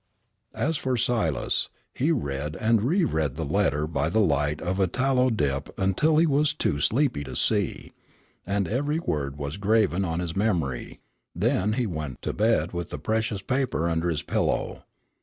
As for Silas, he read and reread the letter by the light of a tallow dip until he was too sleepy to see, and every word was graven on his memory; then he went to bed with the precious paper under his pillow.